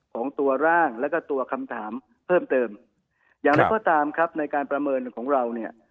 ของตัวร่างแล้วก็ตัวคำถามเพิ่มเติมอย่างไรก็ตามครับในการประเมินของเราเนี่ย